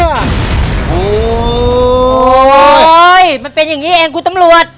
โอ้โหมันเป็นอย่างนี้เองคุณตำรวจ